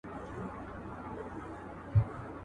• يوه کډه د بلي کډي زړه کاږي.